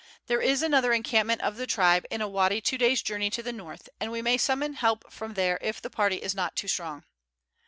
There is another encampment of the tribe in a wady two days' journey to the north, and we may summon help from there if the party is not too strong.